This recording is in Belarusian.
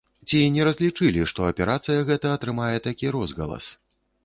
Ці не разлічылі, што аперацыя гэта атрымае такі розгалас?